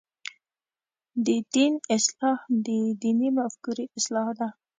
د دین اصلاح د دیني مفکورې اصلاح ده.